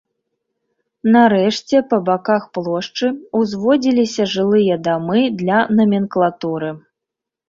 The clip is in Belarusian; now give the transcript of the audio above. Нарэшце, па баках плошчы ўзводзіліся жылыя дамы для наменклатуры.